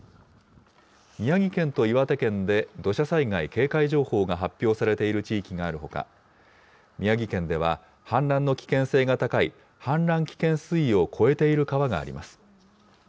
宮城県と岩手県で、土砂災害警戒情報が発表されている地域があるほか、宮城県では氾濫の危険性が高い氾濫危険水位を超えている川があります。